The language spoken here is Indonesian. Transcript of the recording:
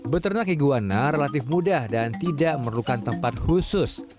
beternak iguana relatif mudah dan tidak memerlukan tempat khusus